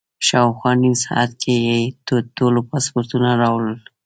شاوخوا نیم ساعت کې یې د ټولو پاسپورټونه راوړل.